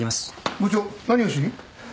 部長何をしに？